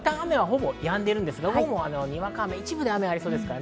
関東はいったん雨やんでますが、午後にわか雨、一部で雨がありそうです。